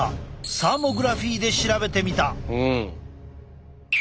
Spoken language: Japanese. サーモグラフィーで調べてみた。